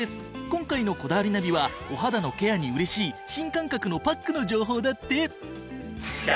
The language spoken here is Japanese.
今回の『こだわりナビ』はお肌のケアに嬉しい新感覚のパックの情報だって。